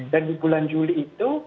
dan di bulan juli itu